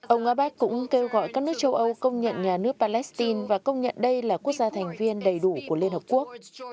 ông abbas cũng kêu gọi các nước châu âu công nhận nhà nước palestine và công nhận đây là quốc gia thành viên đầy đủ của liên hợp quốc